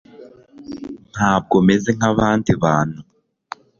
Ntabwo meze nkabandi bantu